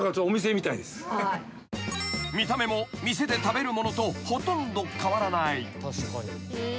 ［見た目も店で食べるものとほとんど変わらない］